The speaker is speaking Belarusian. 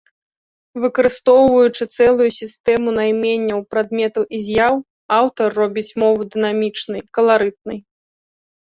Выкарыстоўваючы цэлую сістэму найменняў прадметаў і з'яў, аўтар робіць мову дынамічнай, каларытнай.